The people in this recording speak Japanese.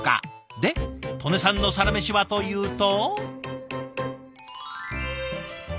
で刀祢さんのサラメシはというと？